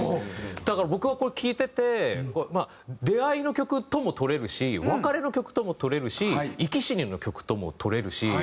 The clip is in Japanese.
だから僕はこれ聴いててまあ出会いの曲とも取れるし別れの曲とも取れるし生き死にの曲とも取れるし。